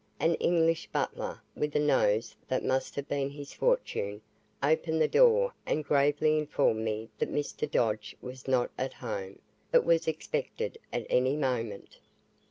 An English butler, with a nose that must have been his fortune, opened the door and gravely informed me that Mr. Dodge was not at home, but was expected at any moment.